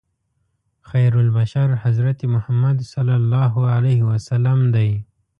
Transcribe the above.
خیرالبشر حضرت محمد صلی الله علیه وسلم دی.